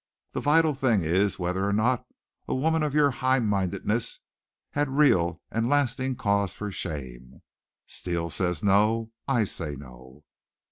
The vital thing is whether or not a woman of your high mindedness had real and lasting cause for shame. Steele says no. I say no."